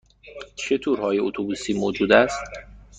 چه تورهای اتوبوسی موجود است؟